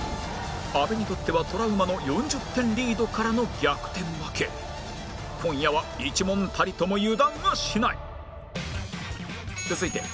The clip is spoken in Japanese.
阿部にとってはトラウマの４０点リードからの逆転負け今夜は１問たりとも油断はしない